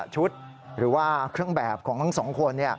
ชุดหรือว่าเครื่องแบบของทั้งสองคน